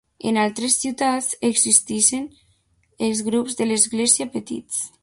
En altres ciutats existien els grups de l'església petits.